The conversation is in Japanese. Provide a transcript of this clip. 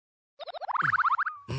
うん。